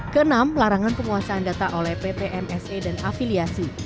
keenam larangan penguasaan data oleh ppmse dan afiliasi